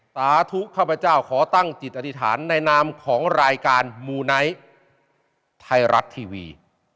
สาธุข้าพเจ้าขอตั้งจิตอธิษฐานในนามของรายการมูไนท์ไทยรัฐทีวี